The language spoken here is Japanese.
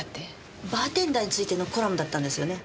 バーテンダーについてのコラムだったんですよね？